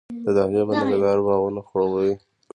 د دهلې بند د کندهار باغونه خړوبوي.